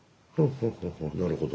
なるほど。